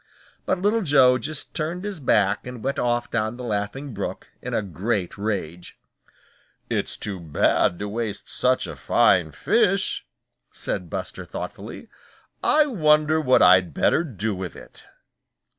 But Little Joe just turned his back and went off down the Laughing Brook in a great rage. "It's too bad to waste such a fine fish," said Buster thoughtfully. "I wonder what I'd better do with it."